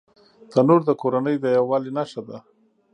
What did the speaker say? تنور د کورنۍ د یووالي نښه ده